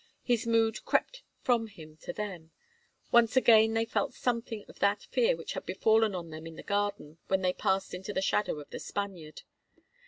His mood crept from him to them; once again they felt something of that fear which had fallen on them in the garden when they passed into the shadow of the Spaniard.